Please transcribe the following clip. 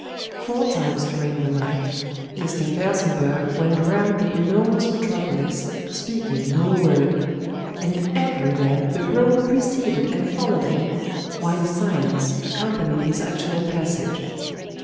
Four times during the night Mr. FELSENBURGH went round the enormous metropolis, speaking no word; and everywhere the groan preceded and followed him, while silence accompanied his actual passage.